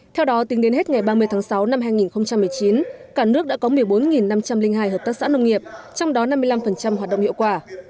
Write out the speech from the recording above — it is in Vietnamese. theo đó tính đến hết ngày ba mươi tháng sáu năm hai nghìn một mươi chín cả nước đã có một mươi bốn năm trăm linh hai hợp tác xã nông nghiệp trong đó năm mươi năm hoạt động hiệu quả